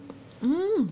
うん！